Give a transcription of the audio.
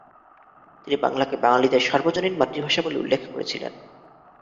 তিনি বাংলাকে বাঙালিদের সার্বজনীন মাতৃভাষা বলে উল্লেখ করেছিলেন।